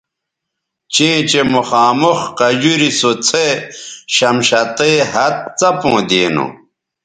چیں چہء مخامخ قجوری سو څھے شمشتئ ھَت څپوں دینو